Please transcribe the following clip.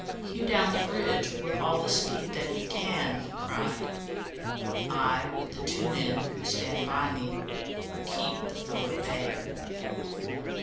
"Hew down the bridge with all the speed that you can!" he cried. "I, with the two men who stand by me, will keep the foe at bay."